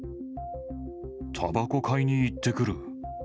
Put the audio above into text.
たばこ買いに行ってくる。